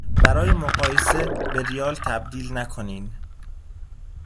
برای مقایسه به ریال تبدیل نکنین